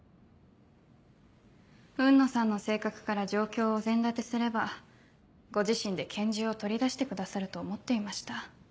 雲野さんの性格から状況をお膳立てすればご自身で拳銃を取り出してくださると思っていました。